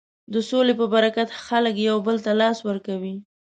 د سولې په برکت خلک یو بل ته لاس ورکوي.